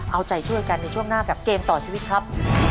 เอาใจช่วยกันในช่วงหน้ากับเกมต่อชีวิตครับ